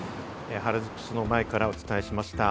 原宿署の前からお伝えしました。